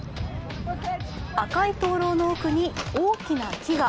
赤い灯籠の奥に大きな木が。